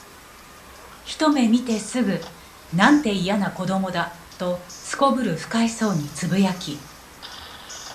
ひとめ見てすぐ、「なんて、いやな子供だ」と頗る不快そうに呟き、